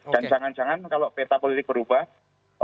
dan jangan jangan kalau peta politik berubah